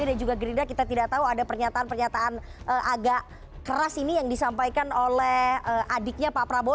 dan juga gerinda kita tidak tahu ada pernyataan pernyataan agak keras ini yang disampaikan oleh adiknya pak prabowo